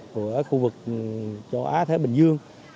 của khu vực châu á thái bình dương